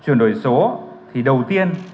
chuyển đổi số thì đầu tiên